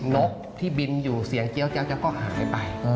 นกที่บินอยู่เสียงเจี๊ยก็หายไป